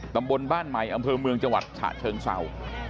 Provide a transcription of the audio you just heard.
ตำบลบ้านใหม่อำเภอเมืองจังหวัดฉะเชิงเศร้า